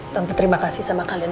tanpa terima kasih sama kalian